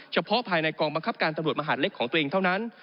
เฉพาะภายในกองบังคับการตำรวจมหาดเล็กของตัวเองเท่านั้น